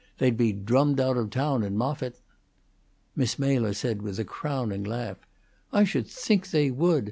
They'd be drummed out of town in Moffitt." Miss Mela said, with a crowing laugh: "I should think they would!